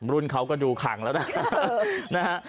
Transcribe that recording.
รุ่นเขาก็ดูขังแล้วนะ